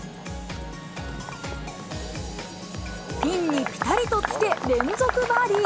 ピンにぴたりとつけ、連続バーディー。